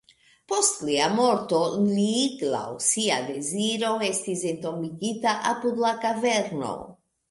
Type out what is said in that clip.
Post lia morto li laŭ sia deziro estis entombigita apud la kaverno.